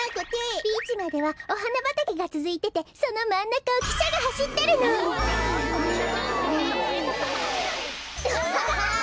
ビーチまではおはなばたけがつづいててそのまんなかをきしゃがはしってるの！わい！